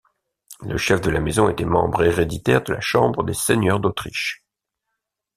Le chef de la maison était membre héréditaire de la Chambre des Seigneurs d'Autriche.